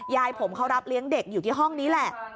ยายผมเขารับเลี้ยงเด็กอยู่ที่ห้องนี้แหละ